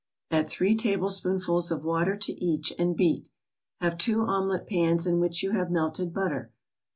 Add three tablespoonfuls of water to each, and beat. Have two omelet pans, in which you have melted butter.